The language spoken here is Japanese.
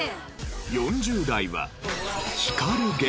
４０代は。